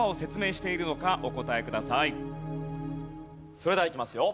それではいきますよ。